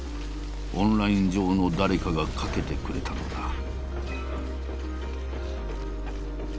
オンライン上の誰かが架けてくれたのだ。